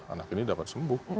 anak ini dapat sembuh